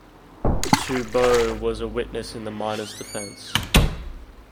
Toubeau was a witness in the miners' defence.